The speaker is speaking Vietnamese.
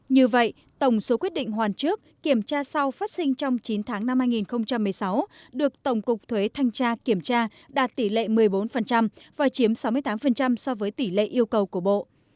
như vậy tổng số quyết định hoàn trước kiểm tra sau phát sinh trong chín tháng năm hai nghìn một mươi sáu được tổng cục thuế thanh tra kiểm tra đạt tỷ lệ một mươi bốn và chiếm sáu mươi tám so với tỷ lệ yêu cầu của bộ